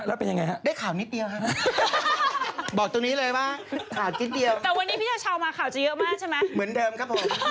แล้วเป็นอย่างไรฮะ